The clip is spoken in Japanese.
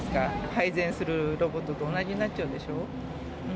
配膳するロボットと同じになっちゃうでしょ。